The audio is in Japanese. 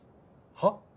はっ？